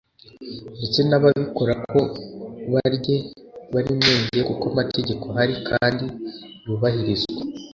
ndetse n’ababikora ngo barye bari menge kuko amategeko ahari kandi yubahirizwa